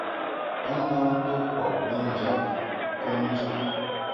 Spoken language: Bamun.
A na ntuo kwet wi njap famjù.